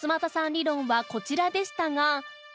理論はこちらでしたが